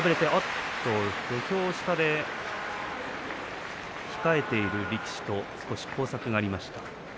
土俵下で控えている力士と交錯がありました。